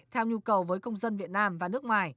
theo nhu cầu với công dân việt nam và nước ngoài